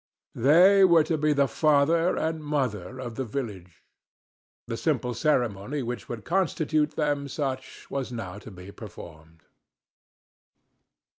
They were to be the father and mother of the village. The simple ceremony which would constitute them such was now to be performed.